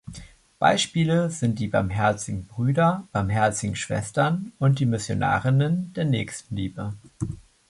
Beispiele sind die Barmherzigen Brüder, Barmherzigen Schwestern und die Missionarinnen der Nächstenliebe.